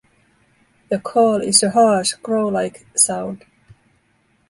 The call is a harsh crow-like sound.